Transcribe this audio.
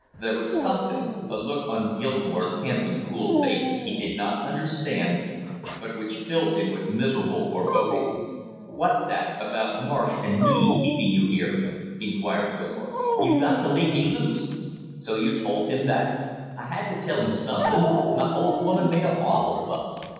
There was something, a look on Gilmore's handsome cruel face, he did not understand but which filled him with miserable foreboding. "What's that, about Marsh and me keeping you here?" inquired Gilmore. "You got to leave me loose " "So you told him that?" "I had to tell him somethin'. My old woman made an awful fuss!